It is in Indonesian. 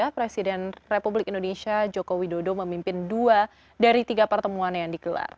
presiden republik indonesia joko widodo memimpin dua dari tiga pertemuan yang digelar